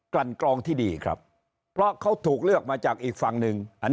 ลั่นกรองที่ดีครับเพราะเขาถูกเลือกมาจากอีกฝั่งหนึ่ง